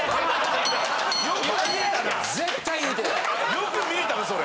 よく見えたなそれ。